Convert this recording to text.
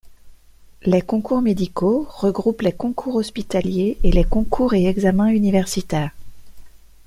Les concours médicaux regroupent les concours hospitaliers et les concours et examens universitaires.